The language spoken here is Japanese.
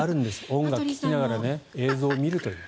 音楽を聴きながら映像を見るという。